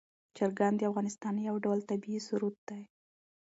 چرګان د افغانستان یو ډول طبعي ثروت دی.